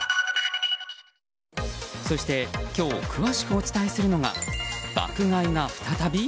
そして今日詳しくお伝えするのが爆買いが再び？